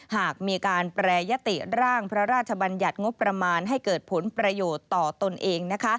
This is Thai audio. หากมีการแปรยติร่างพระราชบัญญัติงบประมาณให้เกิดผลประโยชน์ต่อตนเอง